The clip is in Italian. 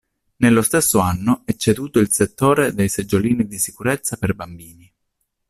Nello stesso anno è ceduto il settore dei seggiolini di sicurezza per bambini.